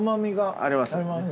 ありますね。